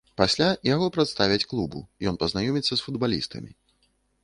Пасля яго прадставяць клубу, ён пазнаёміцца з футбалістамі.